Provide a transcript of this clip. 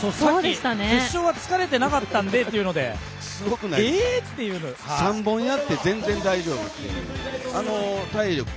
決勝は疲れてなかったんでっていうので３本やって全然大丈夫と。